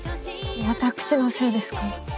私のせいですから。